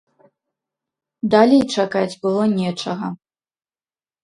Далей чакаць было нечага.